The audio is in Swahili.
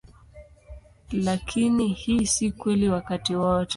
Lakini hii si kweli wakati wote.